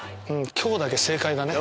今日だけ正解だね。